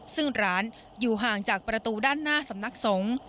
ซึ่งร้านอยู่ห่างจากประตูด้านหน้าสำนักสงฆ์